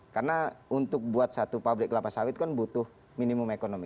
karena untuk buat satu pabrik kelapa sawit kan butuh minimum ekonomi